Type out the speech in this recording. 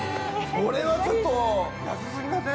これはちょっと安すぎません？